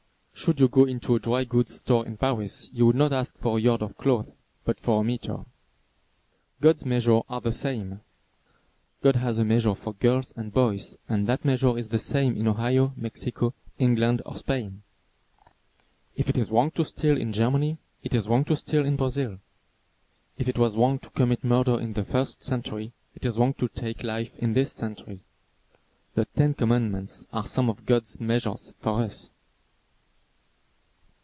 Should you go into a dry goods store in Paris you would not ask for a yard of cloth, but for a meter. God's measures are the same. God has a measure for girls and boys, and that measure is the same in Ohio, Mexico, England or Spain. If it is wrong to steal in Germany, it is wrong to steal in Brazil. If it was wrong to commit murder in the first century, it is wrong to take life in this century. The Ten Commandments are some of God's measures for us.